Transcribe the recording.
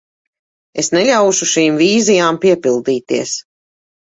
Es neļaušu šīm vīzijām piepildīties.